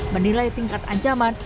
menilai tingkat ancaman